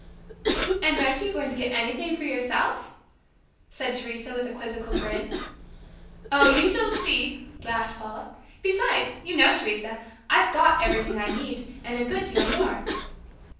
"And aren't you going to get anything for yourself?" said Teresa, with a quizzical grin. "Oh, you shall see," laughed Paula. "Besides, you know, Teresa, I've got everything I need, and a good deal more."